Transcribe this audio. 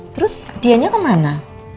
terus dianya kemana